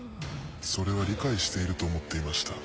それは理解していると思っていました。